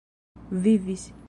vivis